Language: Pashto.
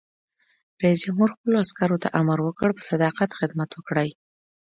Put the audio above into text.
رئیس جمهور خپلو عسکرو ته امر وکړ؛ په صداقت خدمت وکړئ!